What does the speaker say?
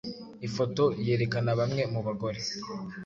Ifoto yerekana bamwe mu bagore